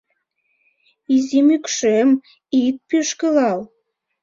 Изи мӱкшем, ит пӱшкылал